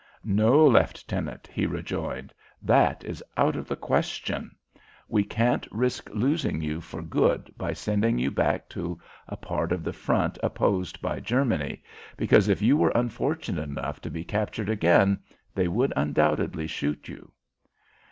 "No, Leftenant," he rejoined, "that is out of the question. We can't risk losing you for good by sending you back to a part of the front opposed by Germany, because if you were unfortunate enough to be captured again they would undoubtedly shoot you."